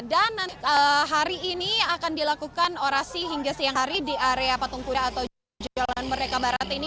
dan hari ini akan dilakukan orasi hingga siang hari di area patung kuda atau jalan merdeka barat ini